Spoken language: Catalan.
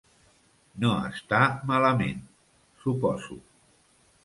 No està malament, suposo.